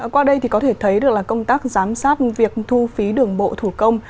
qua đây thì có thể thấy được là công tác giám sát việc thu phí đường bộ thủ công